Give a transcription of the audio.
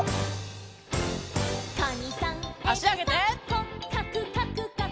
「こっかくかくかく」